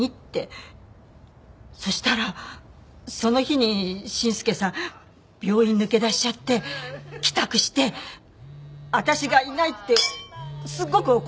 そしたらその日に伸介さん病院抜け出しちゃって帰宅して私がいないってすごく怒りだしちゃったの。